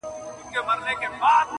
پیدا کړی چي خدای تاج او سلطنت دی؛